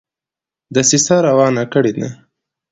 دسیسه روانه کړي ده.